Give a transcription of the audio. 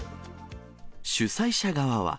主催者側は。